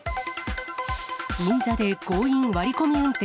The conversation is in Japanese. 銀座で強引に割り込み運転。